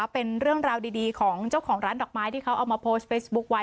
เป็นเรื่องราวดีของเจ้าของร้านดอกไม้ที่เขาเอามาโพสต์เฟซบุ๊คไว้